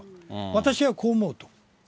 私はこう思うと。